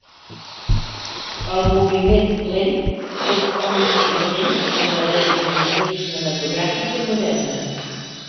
El moviment lent és omnipresent en la realització cinematogràfica moderna.